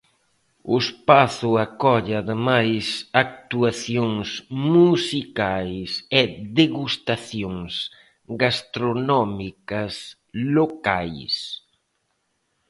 O espazo acolle, ademais, actuacións musicais e degustacións gastronómicas locais.